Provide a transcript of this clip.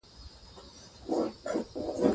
افغانستان له نفت ډک دی.